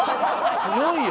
強いよ。